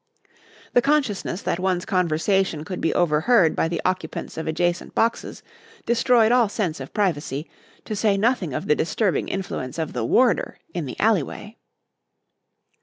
The consciousness that one's conversation could be overheard by the occupants of adjacent boxes destroyed all sense of privacy, to say nothing of the disturbing influence of the warder in the alley way.